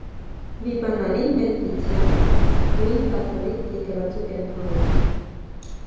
Լիբանանի մելկիթյան (հույն կաթոլիկ) եկեղեցու կենտրոնն է։